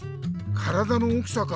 体の大きさか。